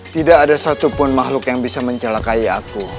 tidak ada satupun makhluk yang bisa mencelakai aku